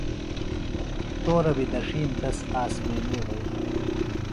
تورہ بیۡ دڇِھین تس آسمینی وھئی۔